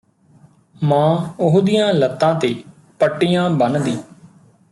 ਮਾਂ ਉਹਦੀਆਂ ਲੱਤਾਂ ਤੇ ਪੱਟੀਆਂ ਬੰਨ੍ਹਦੀ